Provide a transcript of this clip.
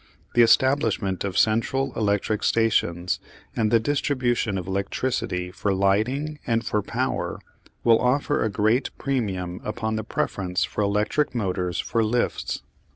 The establishment of central electric stations and the distribution of electricity for lighting and for power will offer a very great premium upon the preference for electric motors for lifts.